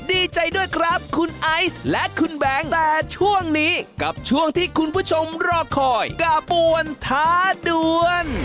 ดีใจด้วยครับคุณไอซ์และคุณแบงค์แต่ช่วงนี้กับช่วงที่คุณผู้ชมรอคอยกระปวนท้าด่วน